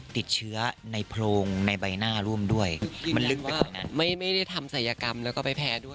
ติดเชื้อในโพรงในใบหน้าร่วมด้วยมันลึกไปกว่านั้น